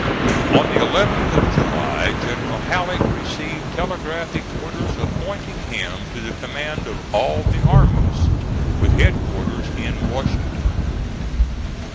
On the 11th of July General Halleck received telegraphic orders appointing him to the command of all the armies, with headquarters in Washington.